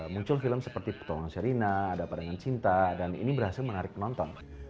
muncul film seperti petongan serina dapat dengan cinta dan ini berhasil menarik penonton